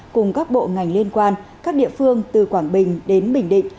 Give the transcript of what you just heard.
cùng các bộ ngành liên quan các địa phương từ quảng bình đến bình định